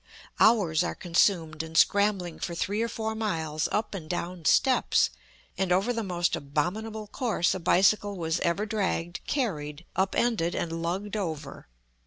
Hours are consumed in scrambling for three or four miles up and down steps, and over the most abominable course a bicycle was ever dragged, carried, up ended and lugged over.